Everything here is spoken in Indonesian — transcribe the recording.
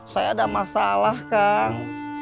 saya ada masalah kak